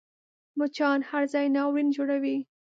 مچان هر ځای ناورین جوړوي